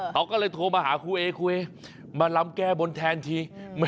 เขาก็เลยโทรมาหาครูเอคุยมาลำแก้บนแทนที